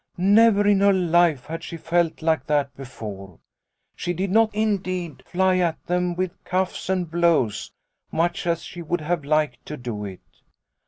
Never in her life had she felt like that before. She did not indeed fly at them with cuffs and blows, much as she would have liked to do it.